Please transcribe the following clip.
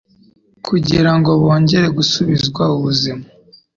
kugira ngo bongere gusubizwamo ubuzima.